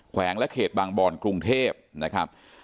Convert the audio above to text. วงและเขตบางบอนกรุงเทพนะครับ